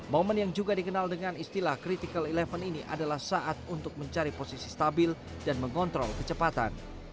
momen yang juga dikenal dengan istilah critical sebelas ini adalah saat untuk mencari posisi stabil dan mengontrol kecepatan